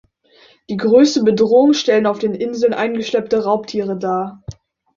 Die größte Bedrohung stellen auf den Inseln eingeschleppte Raubtiere dar.